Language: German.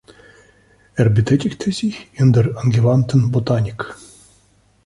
Er betätigte sich in der angewandten Botanik.